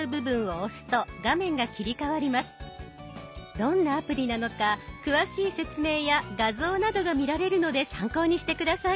どんなアプリなのか詳しい説明や画像などが見られるので参考にして下さい。